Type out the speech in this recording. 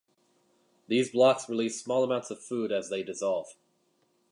These blocks release small amounts of food as they dissolve.